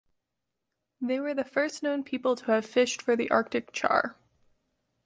They were the first known people to have fished for the Arctic char.